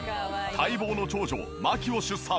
待望の長女麻貴を出産。